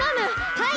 はい！